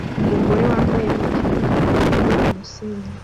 Umugore wambaye bikini akurura imbwa kumusenyi